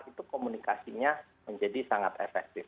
itu komunikasinya menjadi sangat efektif